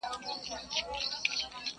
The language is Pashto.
o من خورم، سېر گټم، اوسم، که درځم!